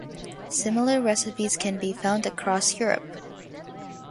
Similar recipes can be found across Europe.